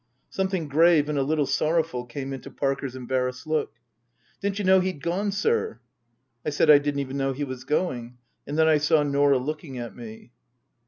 Something grave and a little sorrowful came into Parker's embarrassed look. " Didn't you know he'd gone, sir ?" I said I didn't even know he was going; and then I saw Norah looking at me.